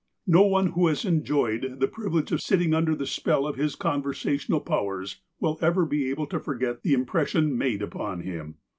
No one who has enjoyed the privilege of sitting under the spell of his conversational powers will ever be able to forget the impression made upon him.